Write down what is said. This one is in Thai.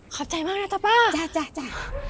ขอบใจมากนะจ้ะป้าจ้ะจ้ะจ้ะ